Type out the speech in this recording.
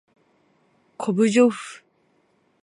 こ ｄ じょ ｆ